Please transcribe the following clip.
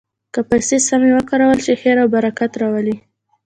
که پیسې سمې وکارول شي، خیر او برکت راولي.